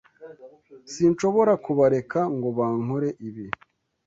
Sinshobora kubareka ngo bankore ibi.